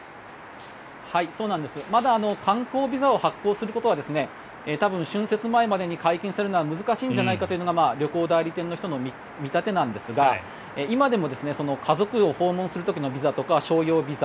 まだ観光ビザを発行することは多分、春節前までに解禁するのは難しいんじゃないかというのが旅行代理店の人の見立てなんですが今でも家族を訪問する時のビザとか商業ビザ。